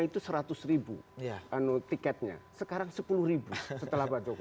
itu seratus ya no tiketnya sekarang sepuluh setelah pak jokowi turun tetapi di gunung itu